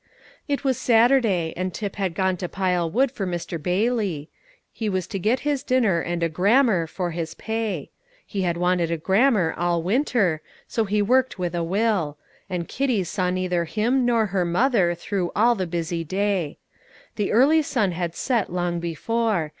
It was Saturday, and Tip had gone to pile wood for Mr. Bailey. He was to get his dinner and a grammar for his pay. He had wanted a grammar all winter, so he worked with a will; and Kitty saw neither him nor her mother through all the busy day. The early sun had set long before.